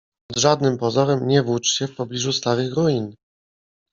Pod żadnym pozorem nie włócz się w pobliżu starych ruin.